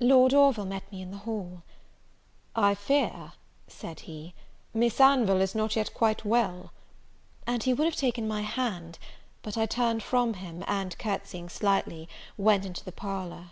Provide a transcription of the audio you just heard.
Lord Orville met me in the hall. "I fear," said he, "Miss Anville is not yet quite well?" and he would have taken my hand, but I turned from him, and courtsying slightly, went into the parlour.